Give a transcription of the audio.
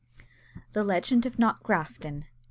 THE LEGEND OF KNOCKGRAFTON.